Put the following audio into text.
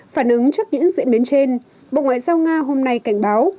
phản ứng trước những diễn biến trên bộ ngoại giao nga hôm nay cảnh báo